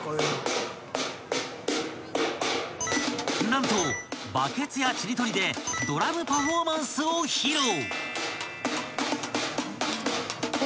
［何とバケツやちりとりでドラムパフォーマンスを披露］